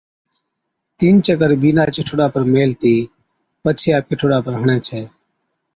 تين چڪر بِينڏا چي ٺوڏا پر ميلهتِي پڇي آپڪي ٺوڏا پر ھڻي ڇَي